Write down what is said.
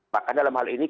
bahkan dalam hal ini